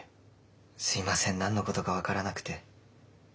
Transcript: すいません何のことか分からなくて。